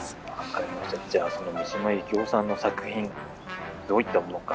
じゃあ三島由紀夫さんの作品どういったものか？